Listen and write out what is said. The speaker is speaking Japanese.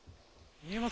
見えます？